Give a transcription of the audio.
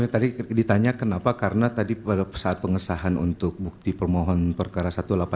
tadi ditanya kenapa karena tadi pada saat pengesahan untuk bukti permohon perkara satu ratus delapan puluh